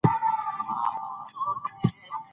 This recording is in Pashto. ناروغي لګښت لري.